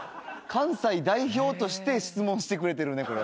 関西代表として質問してくれてるね